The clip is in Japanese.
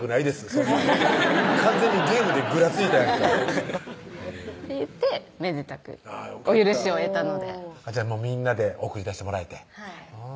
そんなん完全にゲームでぐらついたやんかって言ってめでたくお許しを得たのでみんなで送り出してもらえてはい